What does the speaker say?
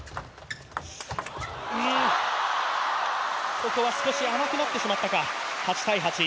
ここは少し甘くなってしまったか。